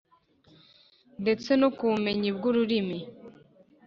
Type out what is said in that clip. ndetse no ku bumenyi bw’ururimi.